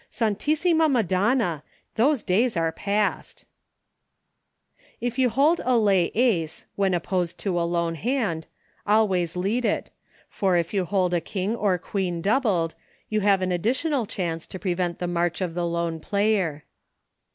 Santissima madonna, those days are passed ! If you hold a lay Ace, when opposed to a 120 EUCHRE. lone hand, always lead it, for if you hold a King or Queen doubled, you have an addi tional chance to prevent the march of the lone player.